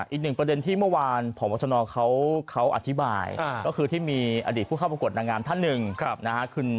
อีกหนึ่งประเด็นที่เมื่อวานพบชนเขาอธิบายก็คือที่มีอดีตผู้เข้าประกวดนางงามท่านหนึ่งนะฮะ